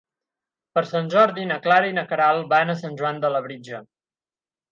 Per Sant Jordi na Clara i na Queralt van a Sant Joan de Labritja.